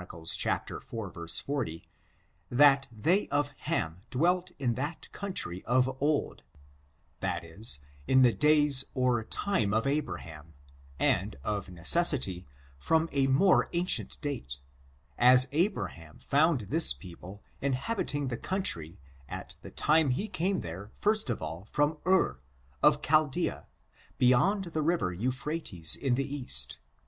iv, 40, that they oi Ham dwelt in that country of oW, that is, in the days or time of Abra ham, and, of necessity, from a more ancient date, as Abraham found this i)eople inhabiting the country at the time he came there first of all from C/ir, of Chal dea, beyond the river Euphrates in the cast, which.